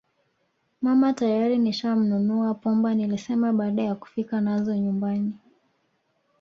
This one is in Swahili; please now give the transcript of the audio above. Mama tayari nishanunua pumba nilisema baada ya kufika nazo nyumbani